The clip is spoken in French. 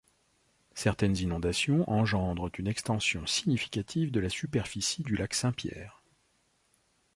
Certaines inondations engendrent une extension significative de la superficie du lac Saint-Pierre.